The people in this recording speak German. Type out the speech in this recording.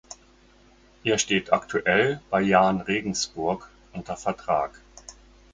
Er steht aktuell bei Jahn Regensburg unter Vertrag.